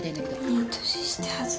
いい年して恥ず。